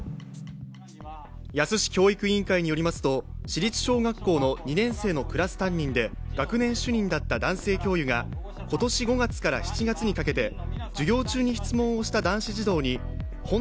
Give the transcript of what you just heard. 野洲市教育委員会によりますと、市立小学校の２年生のクラス担任で学年主任だった男性教諭が今年５月から７月にかけて授業中に質問をした男子児童に対して